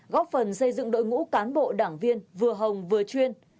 góp phần xây dựng đội ngũ cán bộ đảng viên vừa hồng vừa chuyên